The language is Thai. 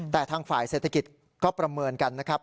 แต่ทางฝ่ายเศรษฐกิจก็ประเมินกันนะครับ